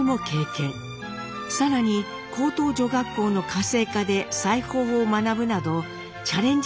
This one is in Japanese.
さらに高等女学校の家政科で裁縫を学ぶなどチャレンジ